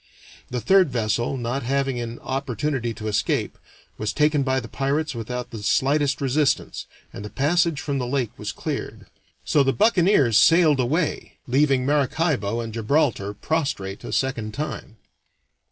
The third vessel, not having an opportunity to escape, was taken by the pirates without the slightest resistance, and the passage from the lake was cleared. So the buccaneers sailed away, leaving Maracaibo and Gibraltar prostrate a second time.